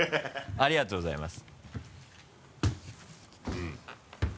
ありがとうございます。